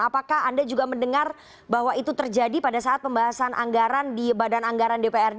apakah anda juga mendengar bahwa itu terjadi pada saat pembahasan anggaran di badan anggaran dprd